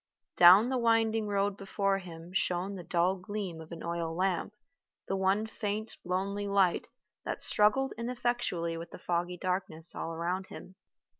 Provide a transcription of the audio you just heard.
Down the winding road before him shone the dull gleam of an oil lamp, the one faint lonely light that struggled ineffectually with the foggy darkness all round him.